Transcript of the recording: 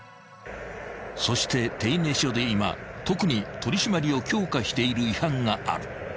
［そして手稲署で今特に取り締まりを強化している違反がある］